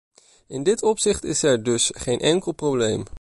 In dit opzicht is er dus geen enkel probleem.